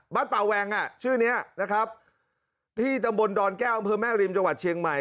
ป่าแวงอ่ะชื่อเนี้ยนะครับที่ตำบลดอนแก้วอำเภอแม่ริมจังหวัดเชียงใหม่